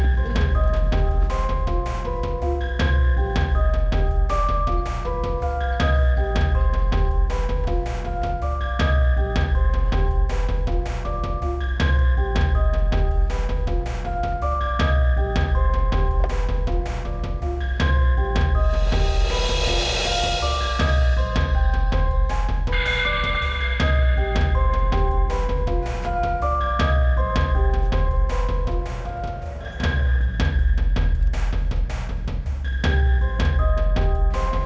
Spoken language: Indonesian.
pesan kopinya ya